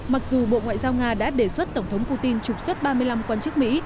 mặc dù bộ ngoại giao nga đã đề xuất tổng thống putin trục xuất ba mươi năm quan chức mỹ